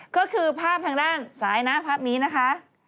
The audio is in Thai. ก็คือภาพทางด้านซ้ายนะภาพนี้นะคะ